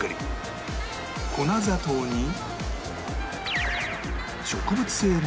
粉砂糖に